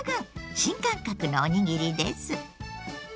新感覚のおにぎりです。